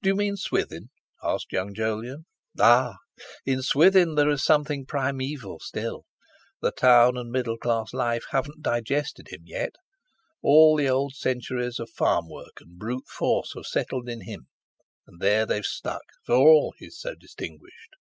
"Do you mean Swithin?" asked young Jolyon. "Ah! in Swithin there's something primeval still. The town and middle class life haven't digested him yet. All the old centuries of farm work and brute force have settled in him, and there they've stuck, for all he's so distinguished."